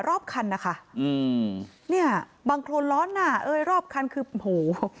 รอบคันนะคะอืมเนี่ยบางโครนร้อนน่ะเอ้ยรอบคันคือโห